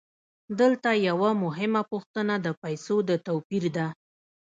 دلته یوه مهمه پوښتنه د پیسو د توپیر ده